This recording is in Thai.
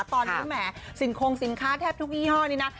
ตอนนี้แหมสินคงสินค้าแทบทุกยี่ห้อนี้นะ